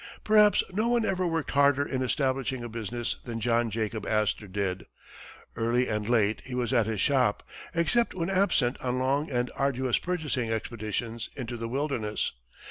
Perhaps no one ever worked harder in establishing a business than John Jacob Astor did. Early and late he was at his shop, except when absent on long and arduous purchasing expeditions into the wilderness.